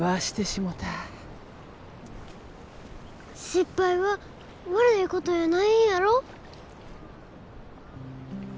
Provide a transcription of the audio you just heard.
失敗は悪いことやないんやろ？